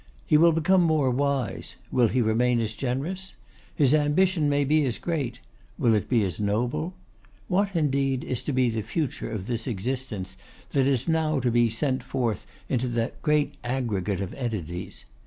He will become more wise; will he remain as generous? His ambition may be as great; will it be as noble? What, indeed, is to be the future of this existence that is now to be sent forth into the great aggregate of entities?